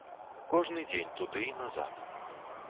Кожны дзень туды і назад.